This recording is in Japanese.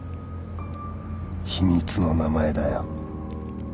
秘密の名前だよ